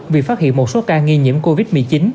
vì phát hiện một số ca nghi nhiễm covid một mươi chín